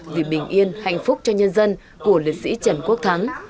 vì bình yên hạnh phúc cho nhân dân của liệt sĩ trần quốc thắng